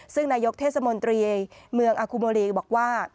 ซึ่งนายกเทศมนตรีเมืองอาคูโมลีก็บอกว่า